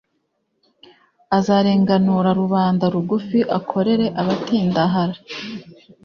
azarenganura rubanda rugufi, arokore abatindahare